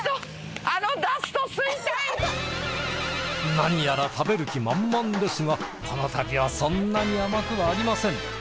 なにやら食べる気満々ですがこの旅はそんなに甘くはありません。